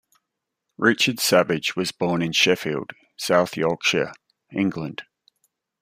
Richard Savage was born in Sheffield, South Yorkshire, England.